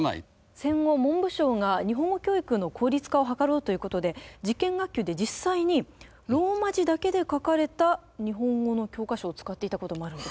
戦後文部省が日本語教育の効率化を図ろうということで実験学級で実際にローマ字だけで書かれた日本語の教科書を使っていたこともあるんですね。